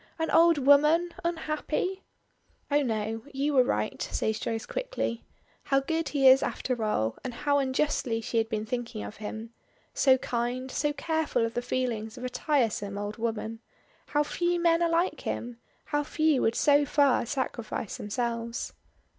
An old woman unhappy " "Oh no. You were right," says Joyce quickly. How good he is after all, and how unjustly she had been thinking of him. So kind, so careful of the feelings of a tiresome old woman. How few men are like him. How few would so far sacrifice themselves.